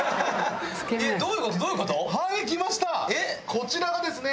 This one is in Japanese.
こちらがですね。